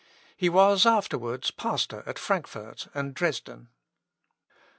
He was afterwards pastor at Frankfort and Dresden.